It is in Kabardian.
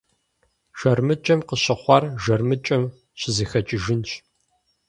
ЖармыкӀэм къыщыхъуар жармыкӀэм щызэхэкӀыжынщ.